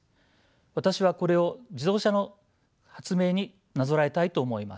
私はこれを自動車の発明になぞらえたいと思います。